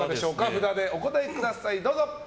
札でお答えください。